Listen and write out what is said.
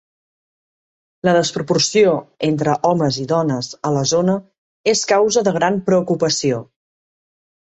La desproporció entre homes i dones a la zona és causa de gran preocupació.